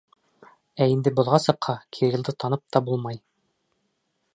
Ә инде боҙға сыҡһа, Кириллды танып та булмай.